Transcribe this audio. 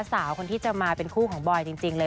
สาวคนที่จะมาเป็นคู่ของบอยจริงเลย